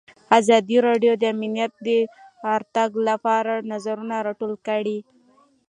ازادي راډیو د امنیت د ارتقا لپاره نظرونه راټول کړي.